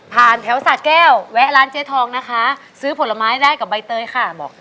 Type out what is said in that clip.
แถวสะแก้วแวะร้านเจ๊ทองนะคะซื้อผลไม้ได้กับใบเตยค่ะบอก